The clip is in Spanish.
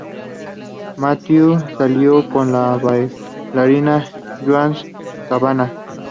Matthew salió con la bailarina Joanne Cavanagh.